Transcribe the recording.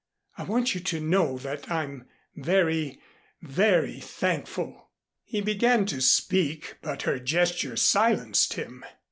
I want you to know that I'm very very thankful." He began to speak but her gesture silenced him.